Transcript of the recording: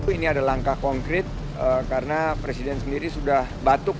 ini ada langkah konkret karena presiden sendiri sudah batuk